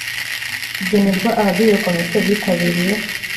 agenerwa abagize komite bitabiriye